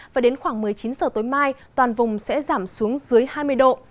và đến khoảng một mươi chín giờ tối mai toàn vùng sẽ giảm xuống dưới hai mươi độ